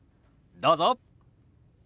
どうぞ。